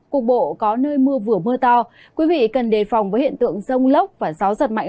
cục bộ có nơi mưa vừa mưa to quý vị cần đề phòng với hiện tượng rông lốc và gió giật mạnh